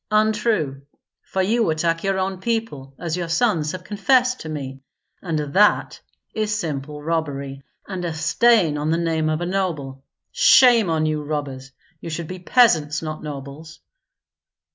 "Untrue; for you attack your own people, as your sons have confessed to me, and that is simple robbery, and a stain on the name of a noble. Shame on you, robbers! you should be peasants, not nobles."